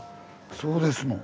そうですのん。